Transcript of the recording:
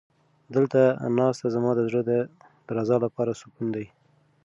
دلته ناسته زما د زړه د درزا لپاره سکون دی.